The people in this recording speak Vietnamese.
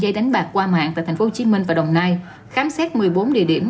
dây đánh bạc qua mạng tại tp hcm và đồng nai khám xét một mươi bốn địa điểm